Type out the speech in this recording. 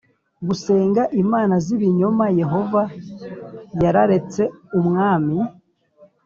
gusenga imana z ibinyoma Yehova yararetse umwami